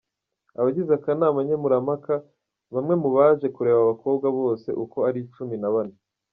Abagize akanama nkemurampakaBamwe mu baje kurebaAbakobwa bose uko ari cumi na bane.